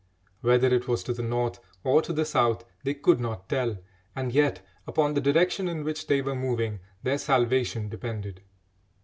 Whether it was to the North or to the South they could not tell, and yet upon the direction in which they were moving their salvation depended.